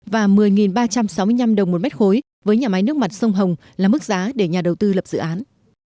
và một mươi ba trăm sáu mươi năm đồng một mét khối với nhà máy nước mặt sông hồng là mức giá để nhà đầu tư lập dự án